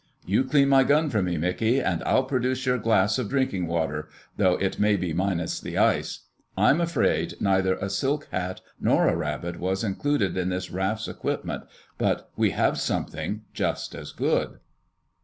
"You clean my gun for me, Mickey, and I'll produce your glass of drinking water—though it may be minus the ice. I'm afraid neither a silk hat nor a rabbit was included in this raft's equipment, but we have something just as good."